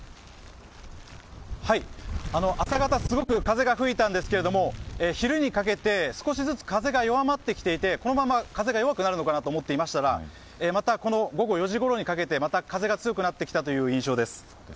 朝方、すごく風が吹いたんですけれども昼にかけて少しずつ風が弱まってきていてこのまま風が弱くなるのかなと思っていましたらまた午後４時ごろにかけて強くなってきた印象です。